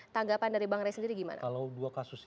tanggapan dari bang ray sendiri gimana